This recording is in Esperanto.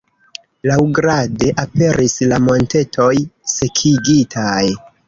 Laŭgrade, aperis la montetoj sekigitaj.